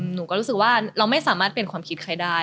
หนูก็รู้สึกว่าเราไม่สามารถเปลี่ยนความคิดใครได้